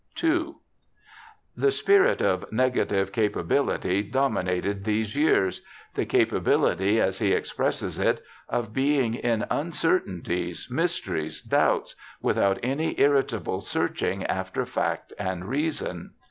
II The spirit oinegative capability dominated these years — the capability, as he expresses it, * of being in uncertain ties, mysteries, doubts, without any irritable searching after fact and reason.'